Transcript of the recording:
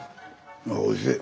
あおいしい。